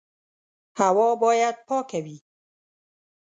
هوا باید پاکه وي.